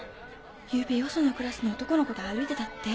昨夜よそのクラスの男の子と歩いてたって？